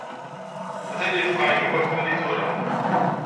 Atan yefqeɛ Yuba fell-i tura.